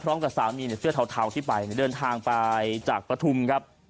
สามีเสื้อเทาที่ไปเดินทางไปจากปฐุมครับ